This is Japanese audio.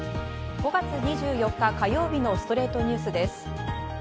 ５月２４日、火曜日の『ストレイトニュース』です。